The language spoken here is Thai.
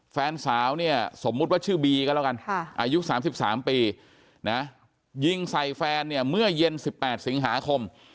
แฟนสาวเนี่ยสมมุติว่าชื่อบีก็แล้วกันอายุ๓๓ปีนะยิงใส่แฟนเนี่ยเมื่อเย็น๑๘สิงหาคม